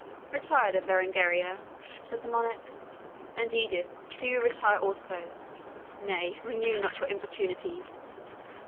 "Retire, then, Berengaria," said the Monarch; "and, Edith, do you retire also; nay, renew not your importunities!